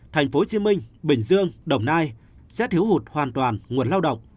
tp hcm bình dương đồng nai sẽ thiếu hụt hoàn toàn nguồn lao động